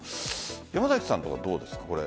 山崎さんとかどうですか？